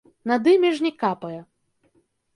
Над імі ж не капае.